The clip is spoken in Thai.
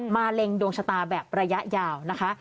เล็งดวงชะตาแบบระยะยาวนะคะ